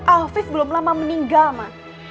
afif belum lama meninggal ma